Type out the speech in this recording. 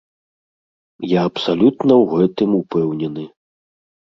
Я абсалютна ў гэтым упэўнены.